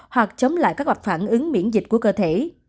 hoặc chống lại các hoạt phản ứng miễn dịch